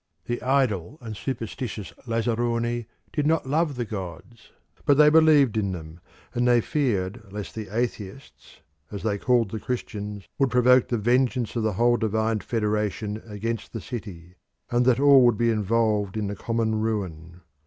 The idle and superstitious lazzaroni did not love the gods, but they believed in them, and they feared lest the "atheists," as they called the Christians, would provoke the vengeance of the whole divine federation against the city, and that all would be involved in the common ruin.